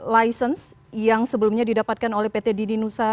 license yang sebelumnya didapatkan oleh pt didi nusa